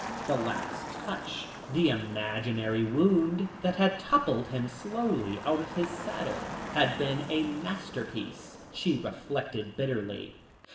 The last touch the imaginary wound that had toppled him slowly out of his saddle had been a masterpiece, she reflected bitterly.